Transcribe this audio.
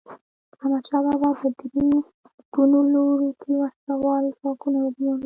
احمدشاه بابا په درې ګونو لورو کې وسله وال ځواکونه وګمارل.